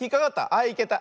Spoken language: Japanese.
あっいけた。